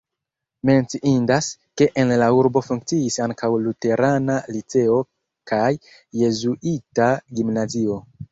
Menciindas, ke en la urbo funkciis ankaŭ luterana liceo kaj jezuita gimnazio.